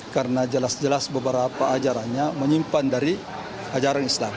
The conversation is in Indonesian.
karena jelas jelas beberapa ajarannya menyimpan dari ajaran islam